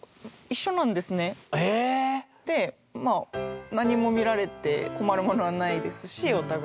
でまあ何も見られて困るものはないですしお互い。